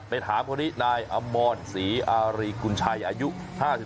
ในถามพวกนี้นายอมอนศรีอารีกุญชัยอายุ๕๓ปี